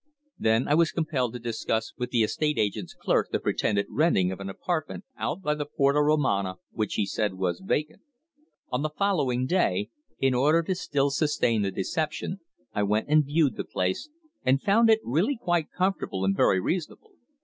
Then I was compelled to discuss with the estate agent's clerk the pretended renting of an apartment out by the Porta Romana, which, he said, was vacant. On the following day, in order to still sustain the deception, I went and viewed the place, and found it really quite comfortable and very reasonable.